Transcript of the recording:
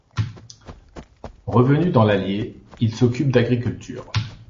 Revenu dans l'Allier, il s'occupe d'agriculture.